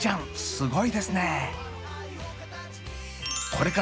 すごいですね！